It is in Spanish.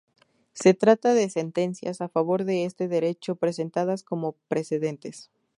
Se trata de sentencias a favor de este derecho presentadas como precedentes.